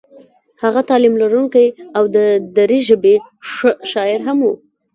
هغه تعلیم لرونکی او د دري ژبې ښه شاعر هم و.